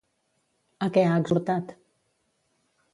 A què ha exhortat?